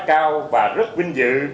cao và rất vinh dự